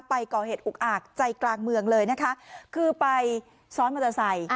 ไปก่อเหตุอุกอาจใจกลางเมืองเลยนะคะคือไปซ้อนมอเตอร์ไซค์